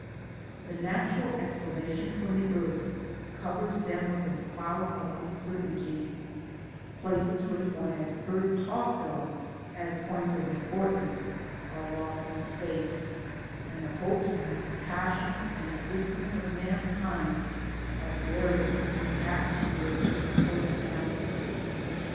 The natural exhalation from the earth covers them with a doud of uncertainty : places which one has heard talked of as points of importance are lost in space, and the hopes and passions and existence of mankind are buried in the atmosphere which supports them.